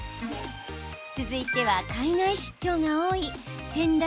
続いては、海外出張が多い戦略